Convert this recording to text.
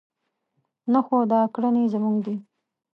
نه خو دا کړنې زموږ دي.